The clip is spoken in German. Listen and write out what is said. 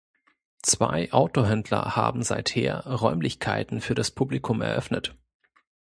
Zwei Autohändler haben seither Räumlichkeiten für das Publikum eröffnet.